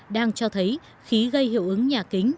đang cho thấy khí gây hiệu ứng nhà kính